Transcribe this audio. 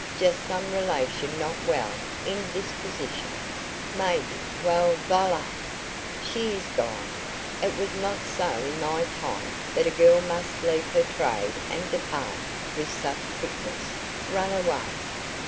Just some relation not well indisposition, maybe well voila! she is gone it was not so in my time that a girl must leaf her trade and depart with such quickness run away.